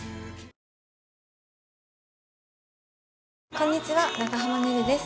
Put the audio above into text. こんにちは長濱ねるです。